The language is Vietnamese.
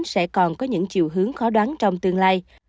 sẽ còn có những chiều hướng khó đoán trong tương lai